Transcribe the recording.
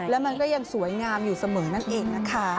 แล้วมันก็ยังสวยงามอยู่เสมอนั่นเองนะคะ